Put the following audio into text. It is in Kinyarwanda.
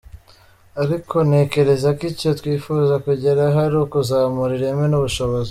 Ariko ntekereza ko icyo twifuza kugeraho ari ukuzamura ireme n’ubushobozi.